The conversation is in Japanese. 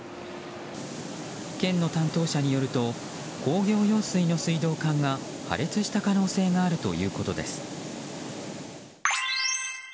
県の担当者によると工業用水の水道管が破裂した可能性があるということです。